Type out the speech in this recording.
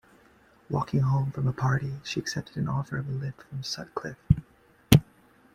Walking home from a party, she accepted an offer of a lift from Sutcliffe.